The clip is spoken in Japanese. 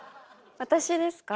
私ですか？